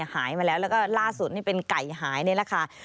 หายมาแล้วแล้วก็ล่าสุดนี่เป็นไก่หายนี่แหละค่ะ